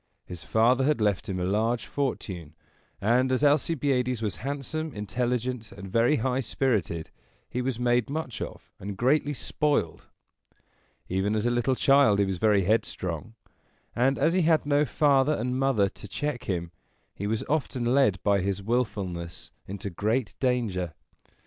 His father had left him a large fortune; and, as Alcibiades was handsome, intelligent, and very high spirited, he was made much of and greatly spoiled. Even as a little child he was very headstrong, and, as he had no father and mother to check him, he was often led by his willfulness into great danger.